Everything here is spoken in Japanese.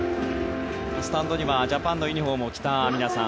スタンドにはジャパンのユニホームを着た皆さん。